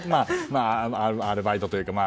まあアルバイトというか。